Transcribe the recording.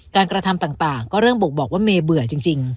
การกระทำต่างต่างก็เรื่องบกบอกว่าเมย์เบื่อจริงจริง